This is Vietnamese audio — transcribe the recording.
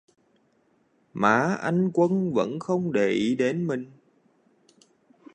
Má anh quân vẫn không để ý đến mình